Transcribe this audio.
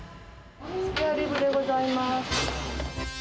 スペアリブでございます。